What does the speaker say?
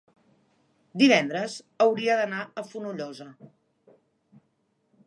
divendres hauria d'anar a Fonollosa.